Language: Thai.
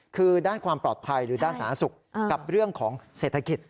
คือด้านความปลอดภัยหรือด้านสาธารณสุขกับเรื่องของเศรษฐกิจ